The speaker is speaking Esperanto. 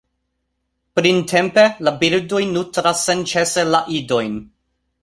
Printempe, la birdoj nutras senĉese la idojn.